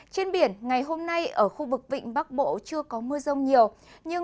trên biển ngày hôm nay ở khu vực vịnh bắc bộ chưa có mưa rông nhiều